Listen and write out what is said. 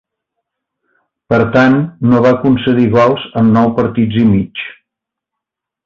Per tant, no va concedir gols en nou partits i mig.